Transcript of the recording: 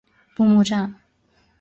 布目站。